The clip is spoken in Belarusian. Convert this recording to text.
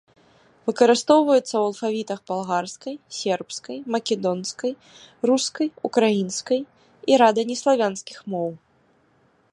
Выкарыстоўваецца ў алфавітах балгарскай, сербскай, македонскай, рускай, украінскай і рада неславянскіх моў.